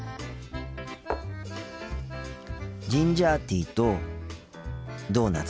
ジンジャーティーとドーナツです。